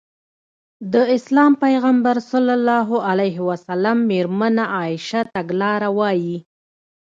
د اسلام پيغمبر ص مېرمنه عايشه تګلاره وايي.